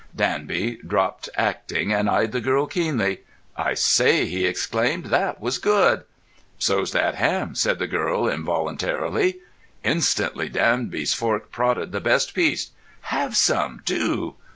Danby dropped acting, and eyed the girl keenly. "I say," he exclaimed, "that was good!" "So's that ham," said the girl involuntarily. Instantly Danby's fork prodded the best piece. "Have some. Do!"